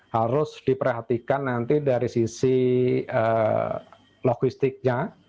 harus diperhatikan nanti dari sisi logistiknya